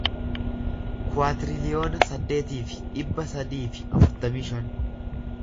kuwaatiriliyoona saddeetii fi dhibba sadii fi afurtamii shan